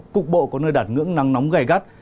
cục bộ có nơi đạt ngưỡng nắng nóng gai gắt